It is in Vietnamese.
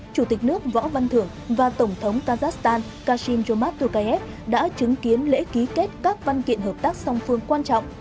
chủ tịch nước võ văn thưởng và tổng thống kazakhstan kasim jomart tukayev đã chứng kiến lễ ký kết các văn kiện hợp tác song phương quan trọng